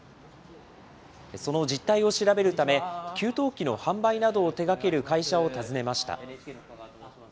その実態を調べるため、給湯器の販売などを手がける会社を訪ねました。